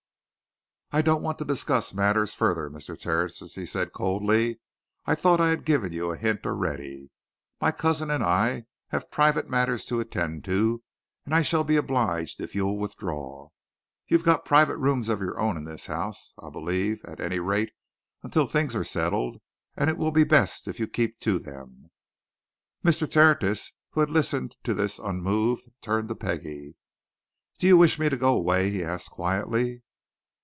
"I don't want to discuss matters further, Mr. Tertius," he said coldly. "I thought I had given you a hint already. My cousin and I have private matters to attend to, and I shall be obliged if you'll withdraw. You've got private rooms of your own in this house, I believe at any rate, until things are settled and it will be best if you keep to them." Mr. Tertius, who had listened to this unmoved, turned to Peggie. "Do you wish me to go away?" he asked quietly.